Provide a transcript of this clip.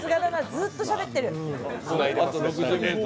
ずっとしゃべってる。